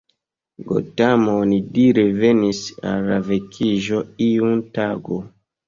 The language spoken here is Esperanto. Gotamo onidire venis al la vekiĝo iun tago.